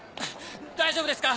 大丈夫ですか？